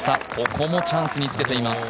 ここもチャンスにつけています。